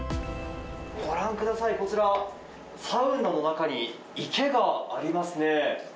ご覧ください、こちら、サウナの中に池がありますね。